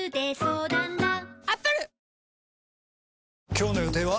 今日の予定は？